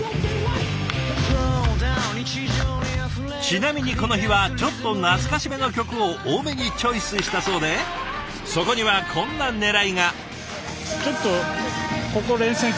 ちなみにこの日はちょっと懐かしめの曲を多めにチョイスしたそうでそこにはこんなねらいが。